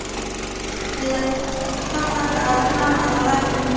د فقر درمل عدالت دی.